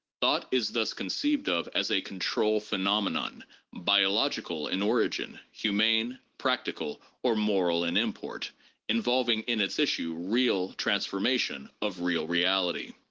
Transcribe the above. Thought is thus conceived of as a control phe nomenon biological in origin, humane, practical, or moral in import, involving in its issue real transformation of real reality.